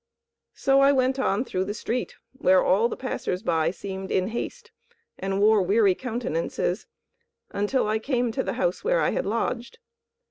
So I went on through the street, where all the passers by seemed in haste and wore weary countenances, until I came to the house where I had lodged.